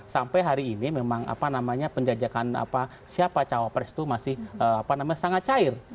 sampai hari ini memang apa namanya penjajakan siapa cawapres itu masih sangat cair